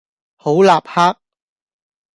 好立克